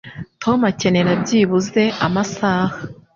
Tom akenera byibuze amasaha